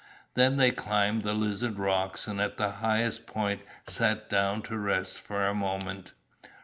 Then they climbed the Lizard rocks and at the highest point sat down to rest for a moment.